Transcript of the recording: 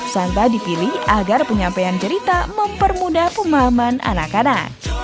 santa dipilih agar penyampaian cerita mempermudah pemahaman anak anak